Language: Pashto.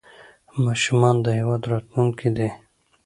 ماشومان د هېواد راتلونکی دی